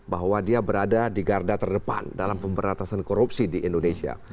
bahwa dia berada di garda terdepan dalam pemberantasan korupsi di indonesia